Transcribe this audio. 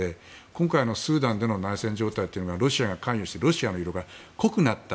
今回のスーダンの内戦状態にロシアが関与してロシアの色が濃くなった。